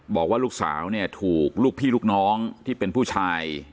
บอกว่าลูกสาวเนี่ยถูกลูกพี่ลูกน้องที่เป็นผู้ชาย